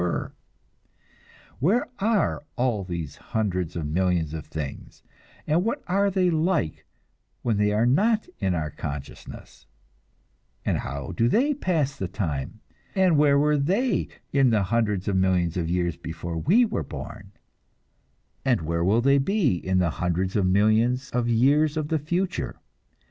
Where are all those hundreds of millions of things, and what are they like when they are not in our consciousness, and how do they pass the time, and where were they in the hundreds of millions of years before we were born, and where will they be in the hundreds of millions of years of the future?